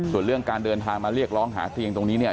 ส่วนเรื่องการเดินทางมาเรียกร้องหาเตียงตรงนี้เนี่ย